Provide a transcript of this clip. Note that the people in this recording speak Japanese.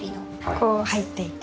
こう入っていて。